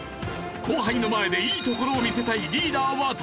後輩の前でいいところを見せたいリーダー渡辺。